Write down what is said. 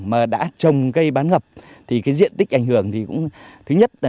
mà đã trồng cây bán ngập thì cái diện tích ảnh hưởng thì cũng